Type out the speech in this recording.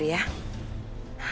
saya akan berjaga jaga